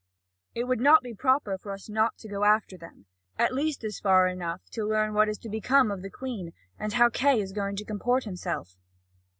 It would not be proper for us not to go after them, at least far enough to learn what is to become of the Queen, and how Kay is going to comport himself."